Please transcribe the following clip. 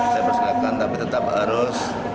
saya persilakan tapi tetap harus